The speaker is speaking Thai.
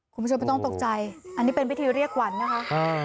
คุณผู้ชมไม่ต้องตกใจอันนี้เป็นพิธีเรียกขวัญนะคะ